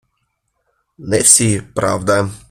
Не всі, правда.